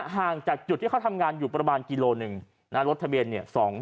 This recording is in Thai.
ห่างจากจุดที่เขาทำงานอยู่ประมาณกิโลหนึ่งนะรถทะเบียนเนี่ย